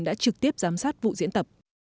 đã trực tiếp giám sát vụ diễn tập